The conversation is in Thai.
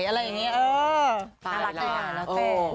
น่ารักนี่นาแต